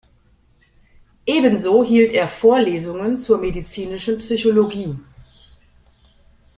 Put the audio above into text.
Ebenso hielt er Vorlesungen zur medizinischen Psychologie.